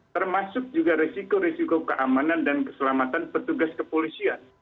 termasuk juga risiko risiko keamanan dan keselamatan petugas kepolisian